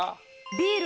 ビール？